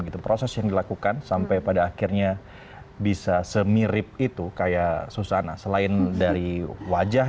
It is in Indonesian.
gitu proses yang dilakukan sampai pada akhirnya bisa semirip itu kayak susana selain dari wajah